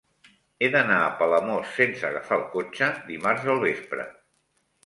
He d'anar a Palamós sense agafar el cotxe dimarts al vespre.